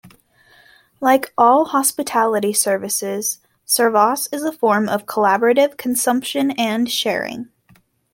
Like all hospitality services, Servas is a form of collaborative consumption and sharing.